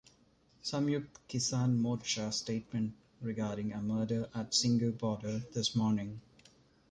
Samyukt Kisan Morcha statement regarding a murder at Singhu Border this morning